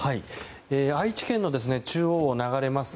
愛知県の中央を流れます